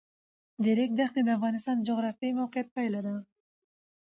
د ریګ دښتې د افغانستان د جغرافیایي موقیعت پایله ده.